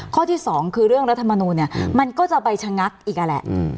ข้อที่สองคือเรื่องรัฐมนูลเนี่ยมันก็จะไปชะงักอีกนั่นแหละ